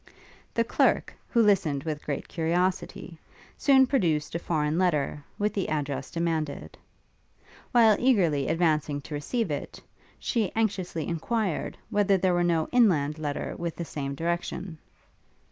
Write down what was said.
The clerk, who listened with great curiosity, soon produced a foreign letter, with the address demanded. While eagerly advancing to receive it, she anxiously enquired, whether there were no inland letter with the same direction?